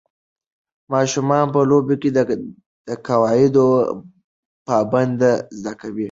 ماشومان په لوبو کې د قواعدو پابندۍ زده کوي.